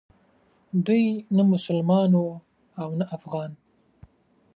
دوی نه مسلمانان وو او نه افغانان.